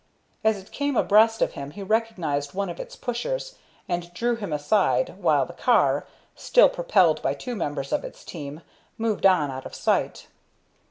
As it came abreast of him he recognized one of its pushers, and drew him aside, while the car, still propelled by two members of its team, moved on out of sight.